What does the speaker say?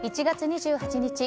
１月２８日